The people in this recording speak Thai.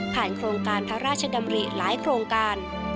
โครงการพระราชดำริหลายโครงการ